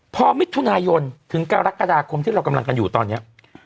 พอมิถุนายนถึงกรกฎาคมที่เรากำลังกันอยู่ตอนนี้